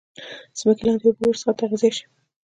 ځمکې لاندي اوبه ورڅخه تغذیه شي.